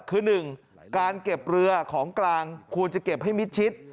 คือ๑การเก็บเรือของกลางควรจะเก็บให้มิดชิด